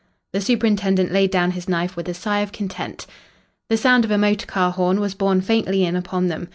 The superintendent laid down his knife with a sigh of content. The sound of a motor car horn was borne faintly in upon them.